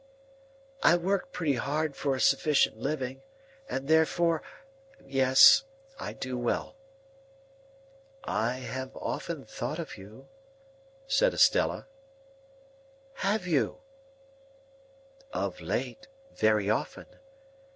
"I work pretty hard for a sufficient living, and therefore—yes, I do well." "I have often thought of you," said Estella. "Have you?" "Of late, very often.